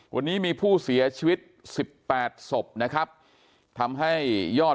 วันนี้มีผู้เสียชีวิต๑๘ศพนะครับทำให้ยอด